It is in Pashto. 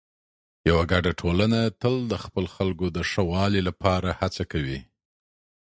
یوه ګډه ټولنه تل د خپلو خلکو د ښه والي لپاره هڅه کوي.